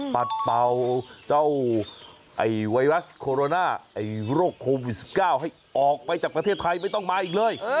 ปัดเป่าเจ้าไวรัสโคโรนาโรคโควิด๑๙ให้ออกไปจากประเทศไทยไม่ต้องมาอีกเลย